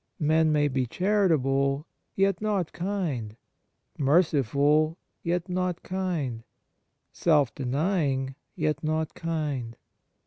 Men may be chari table, yet not kind ; merciful, yet not kind ; 44 Kindness self denying, yet not kind.